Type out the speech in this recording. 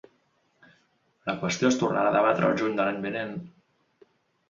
La qüestió es tornarà a debatre el juny de l’any vinent.